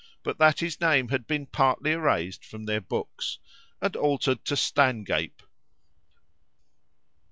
but that his name had been partly erased from their books, and altered to Stangape.